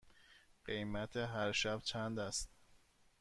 قیمت هر شب چند است؟